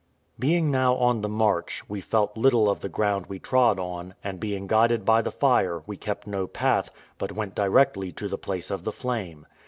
Being now on the march, we felt little of the ground we trod on; and being guided by the fire, we kept no path, but went directly to the place of the flame.